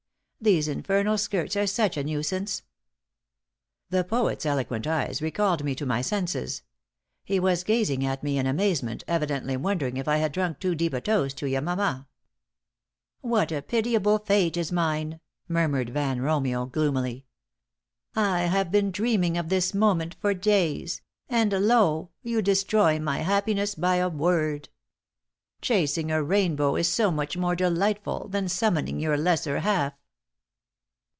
These infernal skirts are such a nuisance!" The poet's eloquent eyes recalled me to my senses. He was gazing at me in amazement, evidently wondering if I had drunk too deep a toast to Yamama. "What a pitiable fate is mine!" murmured Van Romeo, gloomily. "I have been dreaming of this moment for days, and, lo! you destroy my happiness by a word. Chasing a rainbow is so much more delightful that summoning your lesser half!"